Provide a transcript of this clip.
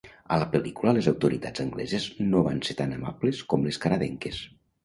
A la pel·lícula les autoritats angleses no van ser tan amables com les canadenques.